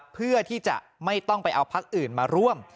เพื่อที่จะไม่ต้องไปเอาพักอื่นมาร่วม